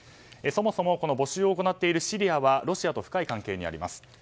そもそも募集を行っているシリアはロシアと深い関係にあります。